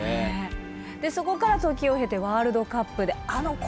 そこから時を経てワールドカップであの国歌斉唱は淳さん。